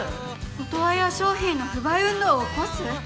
「オトワヤ商品の不買運動を起こす」！？